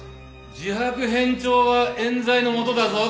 自白偏重は冤罪の元だぞ。